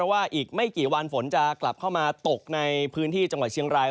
วันฝนก่อนจะกลับเข้ามาตกในพื้นที่จังหวัดเชียงราย